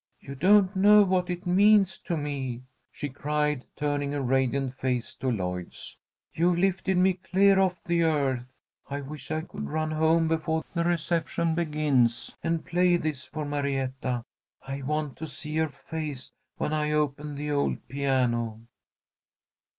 You don't know what it means to me!" she cried, turning a radiant face to Lloyd's. "You've lifted me clear off the earth. I wish I could run home before the reception begins and play this for Marietta. I want to see her face when I open the old piano."